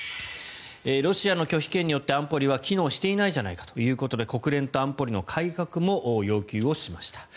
ロシアの拒否権によって安保理は機能していないじゃないかということで国連と安保理の改革も要求しました。